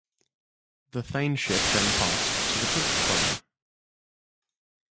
The Thainship then passed to the Took clan.